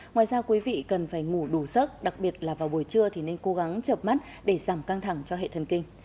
ngoài ra quý vị cần phải ngủ đủ sức đặc biệt là vào buổi trưa thì nên cố gắng chập mắt để giảm căng thẳng cho hệ thần kinh